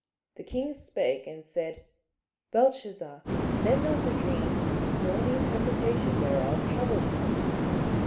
The king spake, and said, Belteshazzar, let not the dream, or the interpretation thereof, trouble thee.